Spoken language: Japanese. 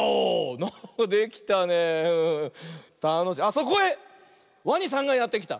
そこへワニさんがやってきた。